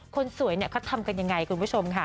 คนสวยเขาทำกันยังไงคุณผู้ชมค่ะ